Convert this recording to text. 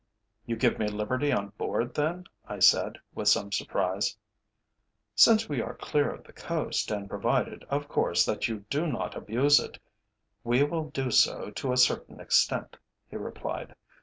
"You give me my liberty on board, then?" I said, with some surprise. "Since we are clear of the coast, and provided of course that you do not abuse it, we will do so to a certain extent," he replied.